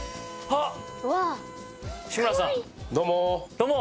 どうも。